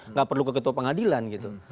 nggak perlu ke ketua pengadilan gitu